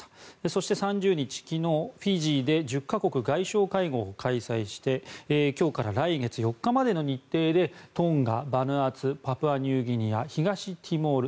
そして３０日、昨日フィジーで１０か国外相会合を開催して今日から来月４日までの日程でトンガ、バヌアツパプアニューギニア東ティモール